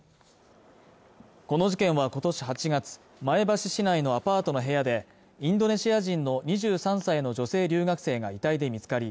この事件はことし８月前橋市内のアパートの部屋でインドネシア人の２３歳の女性留学生が遺体で見つかり